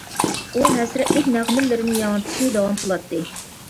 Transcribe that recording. ئۇ ھەسرەتلىك نەغمىلىرىنى ياڭرىتىشنى داۋام قىلاتتى.